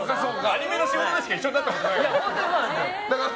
アニメの仕事でしか一緒になったことないから。